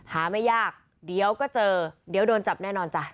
หาไม่ยากเดี๋ยวก็เจอเดี๋ยวโดนจับแน่นอนจ้ะ